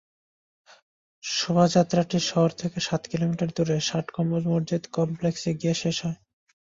শোভাযাত্রাটি শহর থেকে সাত কিলোমিটার দূরে ষাটগম্বুজ মসজিদ কমপ্লেক্সে গিয়ে শেষ হয়।